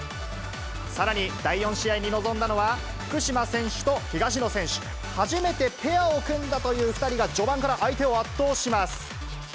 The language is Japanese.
さらに、第４試合に臨んだのは、福島選手と東野選手。初めてペアを組んだという２人が、序盤から相手を圧倒します。